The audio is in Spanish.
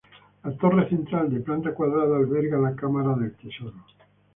La torre central de planta cuadrada alberga la cámara del tesoro.